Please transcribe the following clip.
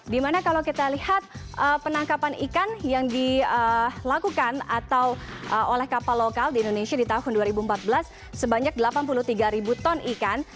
dimana kalau kita lihat penangkapan ikan yang dilakukan atau oleh kapal lokal di indonesia di tahun dua ribu empat belas sebanyak delapan puluh tiga ribu ton ikan